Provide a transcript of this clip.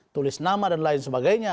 tulis nama dan lain sebagainya